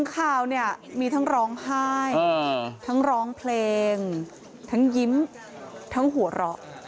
ข่าวเนี่ยมีทั้งร้องไห้ทั้งร้องเพลงทั้งยิ้มทั้งหัวเราะ